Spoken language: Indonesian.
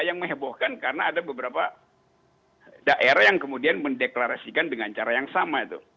yang menghebohkan karena ada beberapa daerah yang kemudian mendeklarasikan dengan cara yang sama itu